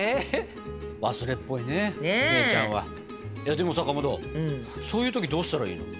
でもさかまどそういう時どうしたらいいの？